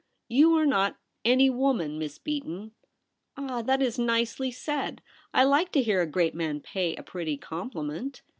'You are not " any woman," Miss Beaton.' * Ah ! that is nicely said. I like to hear a great man pay a pretty compliment.'